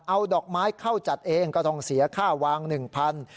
เอาดอกไม้เข้าจัดเองก็ต้องเสียค่าวาง๑๐๐บาท